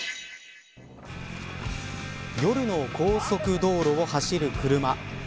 夜の高速道路を走る車。